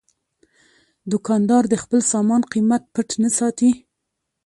دوکاندار د خپل سامان قیمت پټ نه ساتي.